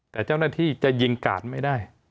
แต่เจ้าหน้าที่จะยิงกาดไม่ได้